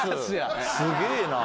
すげえな。